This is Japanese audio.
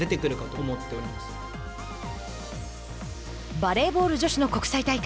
バレーボール女子の国際大会。